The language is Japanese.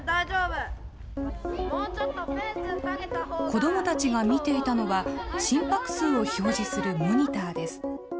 子どもたちが見ていたのは、心拍数を表示するモニターです。